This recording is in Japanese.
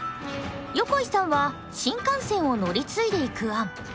横井さんは新幹線を乗り継いでいく案。